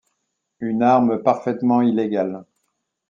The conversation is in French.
Une arme parfaitement illégale.